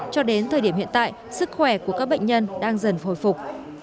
cho đến thời điểm hiện tại sức khỏe của các bệnh nhân đang dần hồi phục